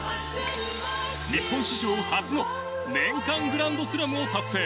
日本史上初の年間グランドスラムを達成